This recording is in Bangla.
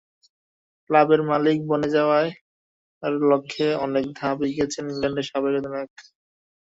ক্লাবের মালিক বনে যাওয়ার লক্ষ্যে আরেক ধাপ এগিয়েছেন ইংল্যান্ডের সাবেক অধিনায়ক।